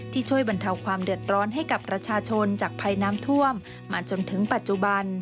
ช่วยบรรเทาความเดือดร้อนให้กับประชาชนจากภัยน้ำท่วมมาจนถึงปัจจุบัน